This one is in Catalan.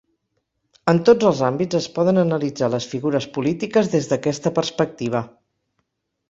En tots els àmbits es poden analitzar les figures polítiques des d'aquesta perspectiva.